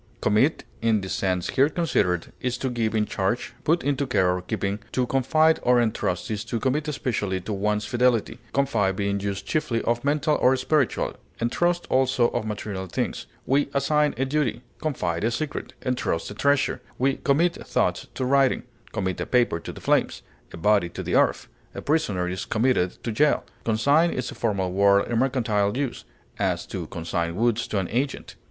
Commit, in the sense here considered, is to give in charge, put into care or keeping; to confide or entrust is to commit especially to one's fidelity, confide being used chiefly of mental or spiritual, entrust also of material things; we assign a duty, confide a secret, entrust a treasure; we commit thoughts to writing; commit a paper to the flames, a body to the earth; a prisoner is committed to jail. Consign is a formal word in mercantile use; as, to consign goods to an agent.